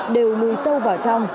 đều nuôi sâu vào trong